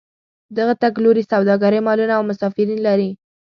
دغه تګ لوري سوداګرۍ مالونه او مسافرین لري.